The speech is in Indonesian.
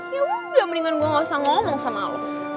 ya udah mendingan gue gak usah ngomong sama allah